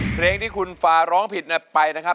เพลงที่คุณฟาร้องผิดไปนะครับ